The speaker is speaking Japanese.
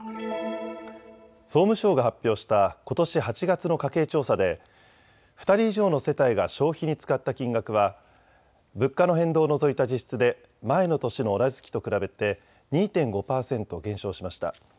総務省が発表したことし８月の家計調査で２人以上の世帯が消費に使った金額は物価の変動を除いた実質で前の年の同じ月と比べて２．５％減少しました。